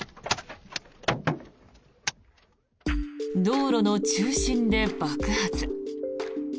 道路の中心で爆発。